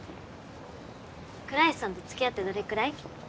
倉石さんと付き合ってどれくらい？